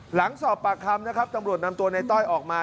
หลังสอบปากคำนะครับตำรวจนำตัวในต้อยออกมา